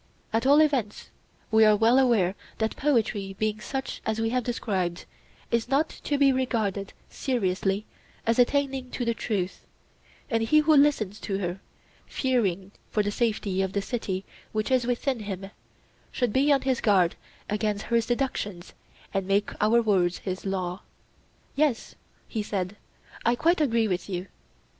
At all events we are well aware that poetry being such as we have described is not to be regarded seriously as attaining to the truth; and he who listens to her, fearing for the safety of the city which is within him, should be on his guard against her seductions and make our words his law. Yes, he said, I quite agree with you.